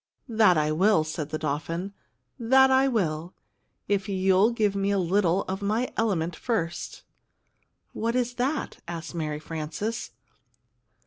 "That I will!" said the dolphin. "That I will, if you'll get me a little of my element first." "What is that?" asked Mary Frances.